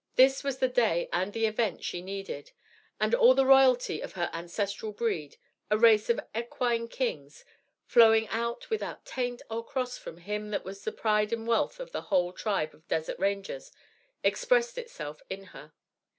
This was the day and the event she needed. And all the royalty of her ancestral breed a race of equine kings flowing as without taint or cross from him that was the pride and wealth of the whole tribe of desert rangers, expressed itself in her.